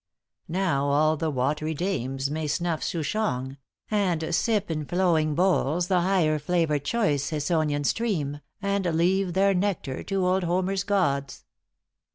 Now all the watery dames ```May snuff souchong, and sip in flowing bowls ```The higher flavored choice Hysonian stream, ```And leave their nectar to old Homer's gods."